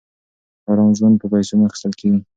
ارام ژوند په پیسو نه اخیستل کېږي.